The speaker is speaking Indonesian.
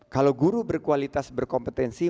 kalau guru berkualitas berkompetensi